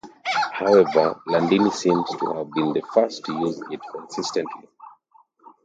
However Landini seems to have been the first to use it consistently.